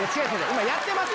今やってます。